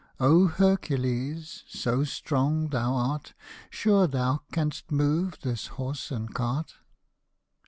O Hercules ! so strong thou art, Sure thou canst move this horse and cart.'